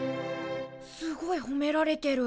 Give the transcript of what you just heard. すごいほめられてる。